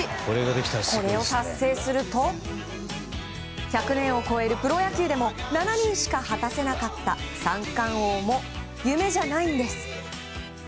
これを達成すると１００年を超えるプロ野球でも７人しか果たせなかった三冠王も夢じゃないんです。